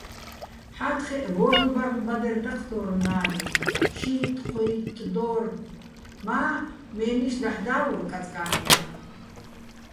ჰ̦ა́თხეჸ ვორლ'-ბარლ' ბადერ დაჴდო́რ ნა́ნივ, შიიტტ-ჴოიტტ დო́რ, მა́ მე́ნიშ დაჰ̦ და́ვურ კაწკა́ნიაჸ.